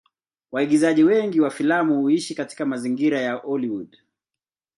Waigizaji wengi wa filamu huishi katika mazingira ya Hollywood.